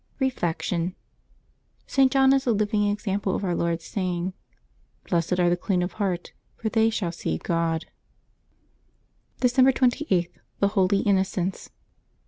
Reflection. — St. John is a living example of Our Lord's saying, " Blessed are the clean of heart, for they shall see God," December 28.— THE HOLY INNOCENTS.